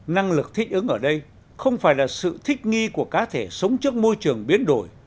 năng lực thích ứng ở đây không phải là sự thích nghi của cá thể sống trước môi trường biến đổi